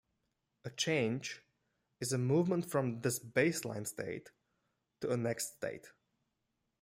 A "change" is a movement from this baseline state to a next state.